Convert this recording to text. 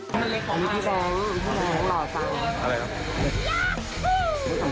นี่พี่แป๊งนี่พี่แป๊งลอดตาม